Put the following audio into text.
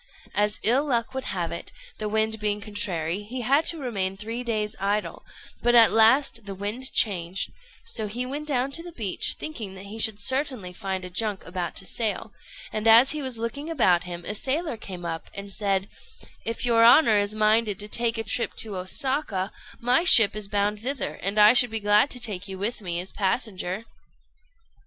As ill luck would have it, the wind being contrary, he had to remain three days idle; but at last the wind changed; so he went down to the beach, thinking that he should certainly find a junk about to sail; and as he was looking about him, a sailor came up, and said "If your honour is minded to take a trip to Osaka, my ship is bound thither, and I should be glad to take you with me as passenger."